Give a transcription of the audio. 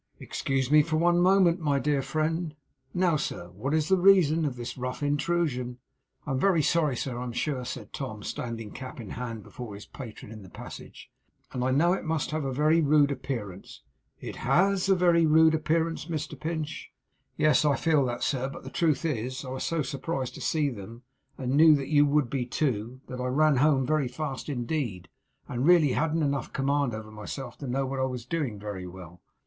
'Excuse me for one moment, my dear friend. Now, sir, what is the reason of this rough intrusion?' 'I am very sorry, sir, I am sure,' said Tom, standing, cap in hand, before his patron in the passage; 'and I know it must have a very rude appearance ' 'It HAS a very rude appearance, Mr Pinch.' 'Yes, I feel that, sir; but the truth is, I was so surprised to see them, and knew you would be too, that I ran home very fast indeed, and really hadn't enough command over myself to know what I was doing very well.